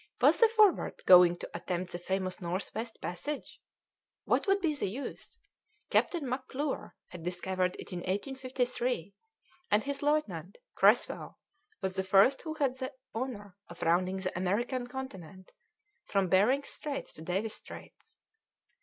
Was the Forward going to attempt the famous North West passage? What would be the use? Captain McClure had discovered it in 1853, and his lieutenant, Creswell, was the first who had the honour of rounding the American continent from Behring's Straits to Davis's Straits.